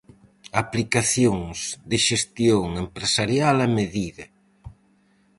Aplicacións de xestión empresarial a medida.